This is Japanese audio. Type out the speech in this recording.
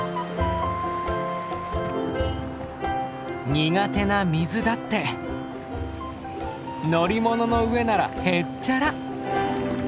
苦手な水だって乗り物の上ならへっちゃら。